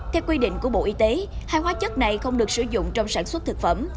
theo quy định của bộ y tế hai hóa chất này không được sử dụng trong sản xuất thực phẩm